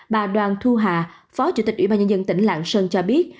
bà đoàn thu hà phó chủ tịch ủy ban nhân dân tỉnh lạng sơn cho biết